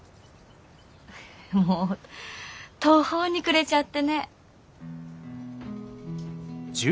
もう途方に暮れちゃってね。